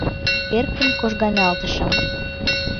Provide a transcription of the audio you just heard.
Эркын кожганалтышым.